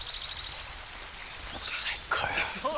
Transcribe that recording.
最高よ。